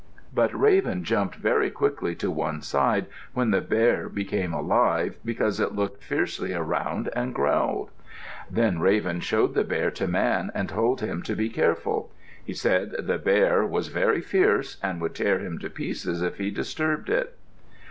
But Raven jumped very quickly to one side when the bear became alive because it looked fiercely around and growled. Then Raven showed the bear to Man and told him to be careful. He said the bear was very fierce and would tear him to pieces if he disturbed it.